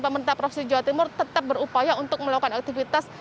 pemerintah provinsi jawa timur tetap berupaya untuk melakukan aktivitas